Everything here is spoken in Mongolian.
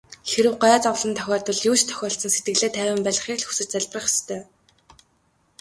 Хэрэв гай зовлон тохиолдвол юу ч тохиолдсон сэтгэлээ тайван байлгахыг л хүсэж залбирах ёстой.